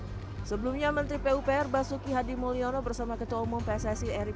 dari jatuh sebelumnya menteri pupr basuki hadimulyono bersama ketua umum pssi erik